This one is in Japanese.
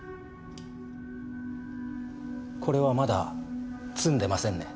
これはまだ詰んでませんね。